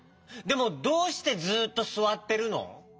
でもどうしてずっとすわってるの？